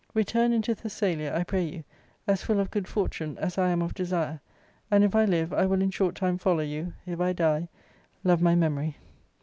Return into Thessalia, I pray you, as full of good fortune as I am of desire ; and^ if I live, I will in short time follow you ; if I die, love my memory."